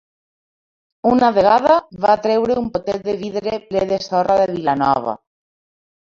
Una vegada va treure un potet de vidre ple de sorra de Vilanova.